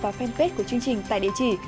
và fanpage của chương trình tại địa chỉ